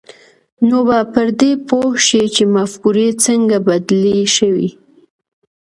نو به پر دې پوه شئ چې مفکورې څنګه بدلې شوې